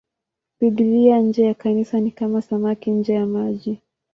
Biblia nje ya Kanisa ni kama samaki nje ya maji.